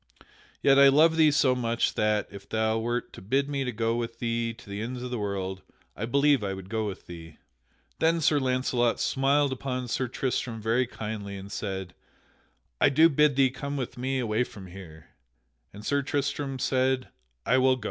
Yet I love thee so much that, if thou wert to bid me go with thee to the ends of the world, I believe I would go with thee." Then Sir Launcelot smiled upon Sir Tristram very kindly and said, "I do bid thee come with me away from here," and Sir Tristram said, "I will go."